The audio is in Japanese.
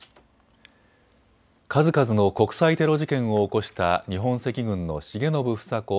数々の国際テロ事件を起こした日本赤軍の重信房子